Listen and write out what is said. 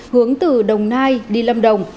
hướng từ đồng nai đi lâm đồng